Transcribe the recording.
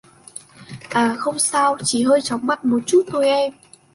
à không sao, chỉ hơi chóng mặt một chút thôi em